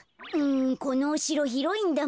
このおしろひろいんだもん。